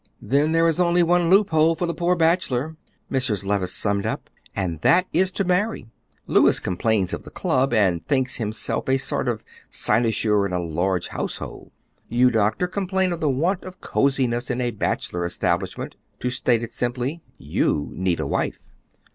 "Then there is only one loophole for the poor bachelor," Mrs. Levice summed up, "and that is to marry. Louis complains of the club, and thinks himself a sort of cynosure in a large household. You, Doctor, complain of the want of coseyness in a bachelor establishment. To state it simply, you need a wife."